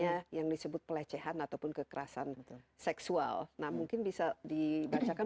misalnya yang disebut pelecehan ataupun kekerasan seksual nah mungkin bisa dibacakan